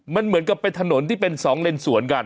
มันเหมือนกับเป็นถนนที่เป็นสองเลนสวนกัน